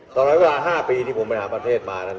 ตอนไว้เวลา๕ปีที่ผมไปหาประเทศมา